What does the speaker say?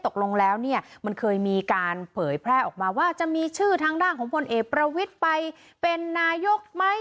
ตกลงแล้วเนี่ยมันเคยมีการเผยแพร่ออกมาว่าจะมีชื่อทางด้านของพลเอกประวิทย์ไปเป็นนายกไหม